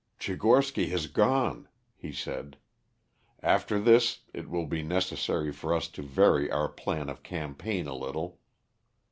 "Tchigorsky has gone," he said. "After this it will be necessary for us to vary our plan of campaign a little.